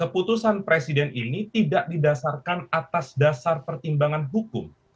keputusan presiden ini tidak didasarkan atas dasar pertimbangan hukum